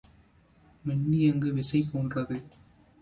மின்னியக்கு விசை போன்றது.